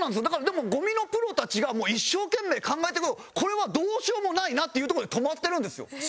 だからでもゴミのプロたちが一生懸命考えたけどこれはどうしようもないなっていうところで止まってるんですよ。